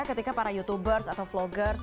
ketika para youtubers atau vloggers